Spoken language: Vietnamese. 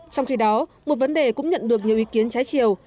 trong khi đó một vấn đề cũng nhận được nhiều ý kiến trái chiều